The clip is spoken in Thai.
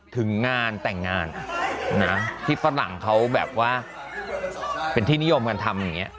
ถึงงานแต่งงานนะที่ฝรั่งเขาแบบว่าเป็นที่นิยมการทำอย่างนี้